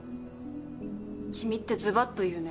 君ってズバッと言うね。